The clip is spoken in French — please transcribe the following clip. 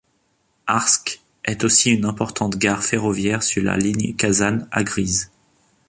Arsk est aussi une importante gare ferroviaire sur la ligne Kazan – Agryz.